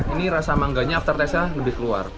ini rasa mangganya after taste nya lebih keluar